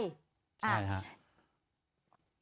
ใช่ครับ